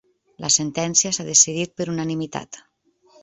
La sentència s’ha decidit per unanimitat.